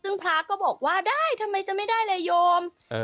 ซึ่งพระก็บอกว่าได้ทำไมจะไม่ได้เลยโยม